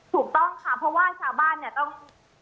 ถูกต้องค่ะเพราะว่าชาวบ้านเนี่ยต้อง